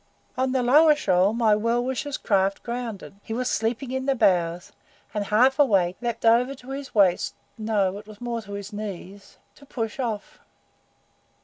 "On the lower shoal my well wisher's craft grounded. He was sleeping in the bows, and, half awake, leaped over to his waist no, it was no more than to his knees to push off.